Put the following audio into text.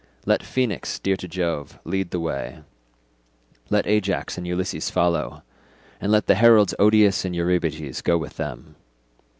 Let Phoenix, dear to Jove, lead the way; let Ajax and Ulysses follow, and let the heralds Odius and Eurybates go with them.